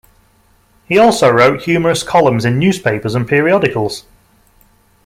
He also wrote humorous columns in newspapers and periodicals.